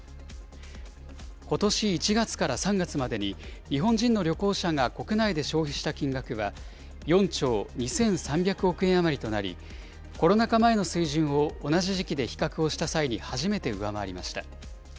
ことし１月から３月までに、日本人の旅行者が国内で消費した金額は、４兆２３００億円余りとなり、コロナ禍前の水準を同じ時期で比較をした際に初めて上回りました。